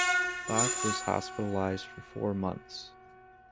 Bach was hospitalized for four months.